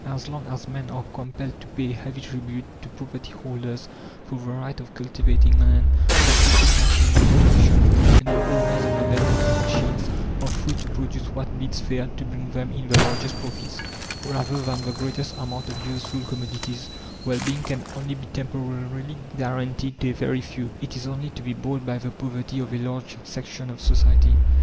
As long as men are compelled to pay a heavy tribute to property holders for the right of cultivating land or putting machinery into action, and the owners of the land and the machine are free to produce what bids fair to bring them in the largest profits rather than the greatest amount of useful commodities well being can only be temporarily guaranteed to a very few; it is only to be bought by the poverty of a large section of society.